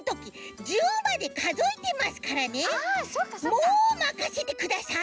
もうまかせてください。